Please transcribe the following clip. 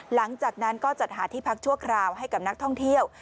หลังจากนั้นก็จัดหาที่พักชั่วคราวให้กับนักท่องเที่ยว